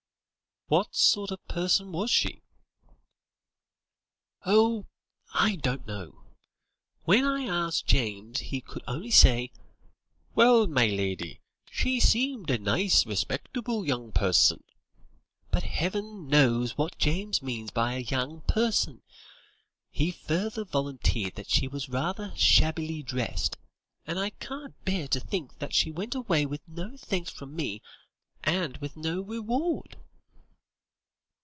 "What sort of a person was she?" "Oh! I don't know. When I asked James he could only say: 'Well, my lady, she seemed a nice respectable young person'; but heaven knows what James means by a young person. He further volunteered that she was rather shabbily dressed; and I can't bear to think that she went away with no thanks from me, and with no reward."